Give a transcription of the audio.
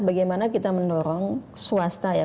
bagaimana kita mendorong swasta ya